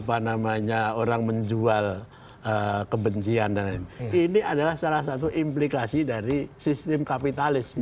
apa namanya orang menjual kebencian dan lain lain ini adalah salah satu implikasi dari sistem kapitalisme